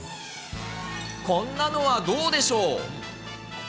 こんなのはどうでしょう。